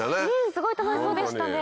すごい楽しそうでしたね。